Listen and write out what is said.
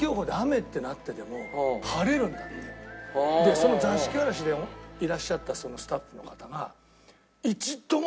その『座敷わらし』でいらっしゃったスタッフの方が。